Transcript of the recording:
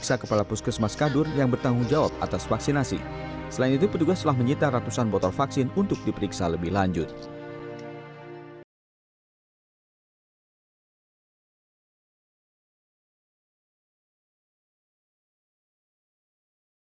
kepala dinas kesehatan pamekasan ismail bey menyebut kasus ini baru pertama kali terjadi